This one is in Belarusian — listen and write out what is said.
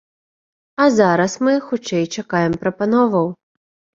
А зараз мы, хутчэй, чакаем прапановаў.